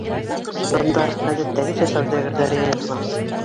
Бында, ғәҙәттәгесә, сауҙагәрҙәр йыйылған.